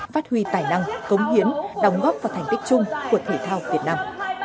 phát huy tài năng cống hiến đóng góp và thành tích chung của thể thao việt nam